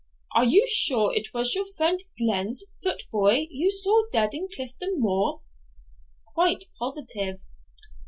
'Are you sure it was your friend Glen's foot boy you saw dead in Clifton Moor?' 'Quite positive.'